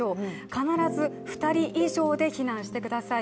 必ず２人以上で避難してください。